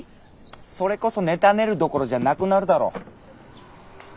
それこそネタ練るどころじゃあなくなるだろ。